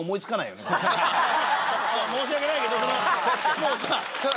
申し訳ないけどもうさ。